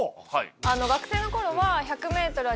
学生の頃は。